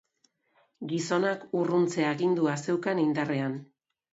Gizonak urruntze agindua zeukan indarrean.